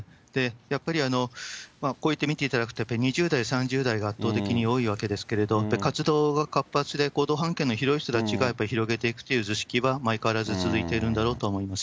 やっぱりこうやって見ていただくと、やっぱり２０代、３０代が圧倒的に多いわけですけれども、活動が活発で、行動半径の広い人たちがやっぱり広げていくという図式は、相変わらず続いているんだろうと思います。